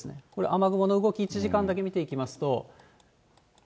雨雲の動き、１時間だけ見ていきますと。